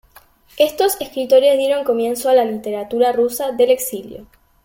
Estos escritores dieron comienzo a la literatura rusa del exilio.